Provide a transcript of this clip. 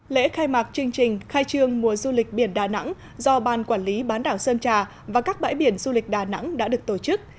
lễ khai mạc chương trình khai trương mùa du lịch biển đà nẵng do ban quản lý bán đảo sơn trà và các bãi biển du lịch đà nẵng đã được tổ chức